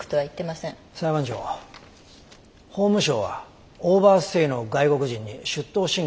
法務省はオーバーステイの外国人に出頭申告を奨励しています。